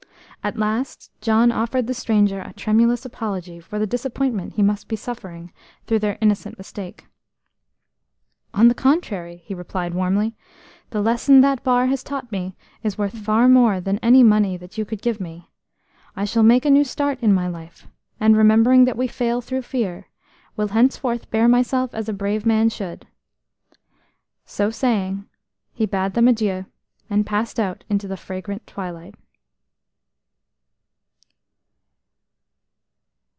At last John offered the stranger a tremulous apology for the disappointment he must be suffering through their innocent mistake. "On the contrary," he replied warmly, "the lesson that bar has taught me is worth far more than any money that you could give me. I shall make a new start in life, and, remembering that we fail through fear, will henceforth bear myself as a brave man should." So saying, he bade them adieu, and passed out into the fragrant twilight.